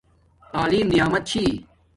تعلیم نعمت چھِی